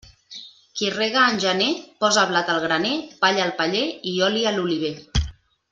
Qui rega en gener, posa blat al graner, palla al paller i oli a l'oliver.